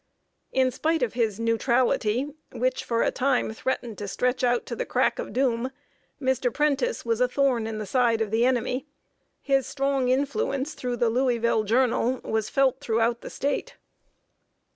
In spite of his "neutrality," which for a time threatened to stretch out to the crack of doom, Mr. Prentice was a thorn in the side of the enemy. His strong influence, through The Louisville Journal, was felt throughout the State.